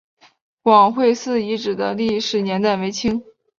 广惠寺遗址的历史年代为清。